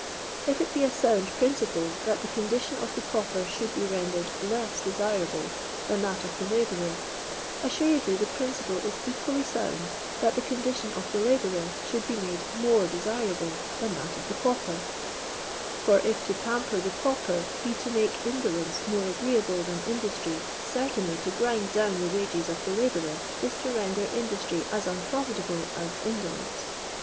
If it be a sound principle that the condition of the pauper should be rendered less desirable than that of the labourer, assuredly the principle is equally sound that the condition of the labourer should be made more desirable than that of the pauper ; for if to pamper the pauper be to make indolence more agreeable than industry, certainly to grind down < the wages of At labonrer is to render industry as unprofitable m indolence.